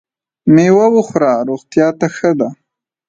مېوه وخوره ! روغتیا ته ښه ده .